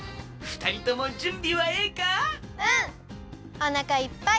おなかいっぱい！